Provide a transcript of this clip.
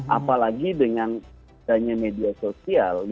apalagi dengan media sosial